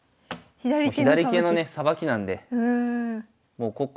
左桂のねさばきなんで。